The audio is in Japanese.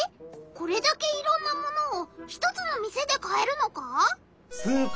これだけいろんな物を１つの店で買えるのか？